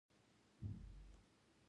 د میوو سړې خونې په کابل کې شته.